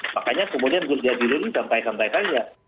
makanya kemudian buzdajilul santai santai saja